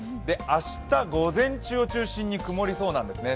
明日午前中を中心に曇りそうなんですね。